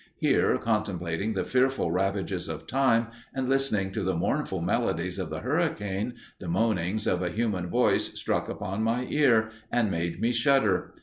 Here, contemplating the fearful ravages of time, and listening to the mournful melodies of the hurricane, the moanings of a human voice struck upon my ear, and made me shudder.